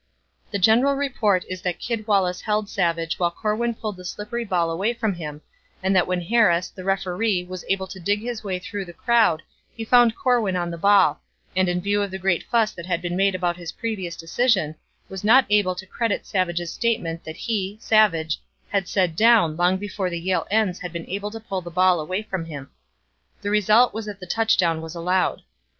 The general report is that Kid Wallace held Savage while Corwin pulled the slippery ball away from him, and that when Harris, the referee, was able to dig his way through the crowd he found Corwin on the ball, and in view of the great fuss that had been made about his previous decision, was not able to credit Savage's statement that he (Savage) had said 'down' long before the Yale ends had been able to pull the ball away from him. The result was that the touchdown was allowed.